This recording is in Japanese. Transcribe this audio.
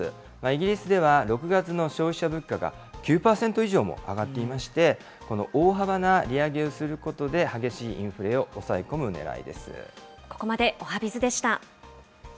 イギリスでは６月の消費者物価が９％以上も上がっていまして、この大幅な利上げをすることで、激しいインフレを抑え込むねらいです。